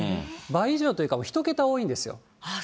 倍以上というか、１桁多いんですよ。